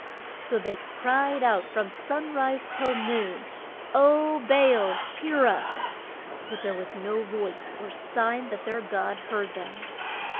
So they cried out from sun rise till noon, O Ba al hear us! But there was no voice or sign that their god heard them.